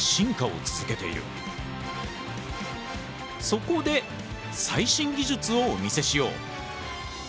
そこで最新技術をお見せしよう！